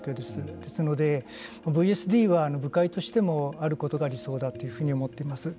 ですので、ＶＳＤは部会としてもあることが理想だというふうに思ってます。